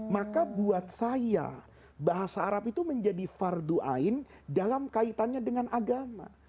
maka buat saya bahasa arab itu menjadi fardu ain dalam kaitannya dengan agama